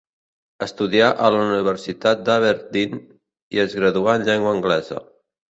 Estudià a la Universitat d'Aberdeen i es graduà en llengua anglesa.